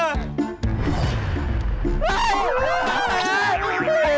หรือใครกำลังร้อนเงิน